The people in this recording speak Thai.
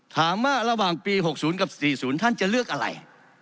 ถามว่าระหว่างปีหกศูนย์กับสี่ศูนย์ท่านจะเลือกอะไร